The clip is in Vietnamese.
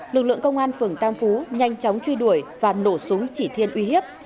lực lượng công an phường tam phú nhanh chóng truy đuổi và nổ súng chỉ thiên uy hiếp